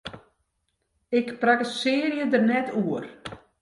Ik prakkesearje der net oer!